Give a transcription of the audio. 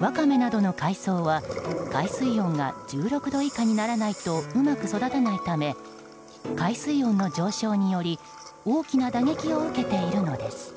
ワカメなどの海藻は海水温が１６度以下にならないとうまく育たないため海水温の上昇により大きな打撃を受けているのです。